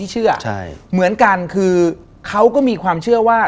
เหมือนกันคือเขาก็มีความเชื่อว่า